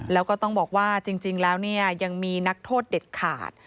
แล้วก็ต้องบอกว่าจริงแล้วเนี่ยยังมีนักโทษเด็ดขาด